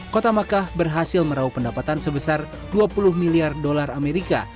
kota makkah berhasil merauh pendapatan sebesar dua puluh miliar dolar amerika